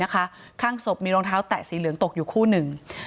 ข้างศพมีรองเท้าแตะสีเหลืองตกอยู่คู่หนึ่ง